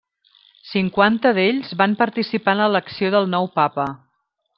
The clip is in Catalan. Cinquanta d'ells van participar en l'elecció del nou Papa.